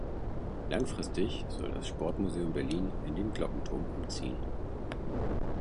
Langfristig soll das Sportmuseum Berlin in den Glockenturm umziehen.